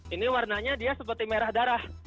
ini warnanya dia seperti merah darah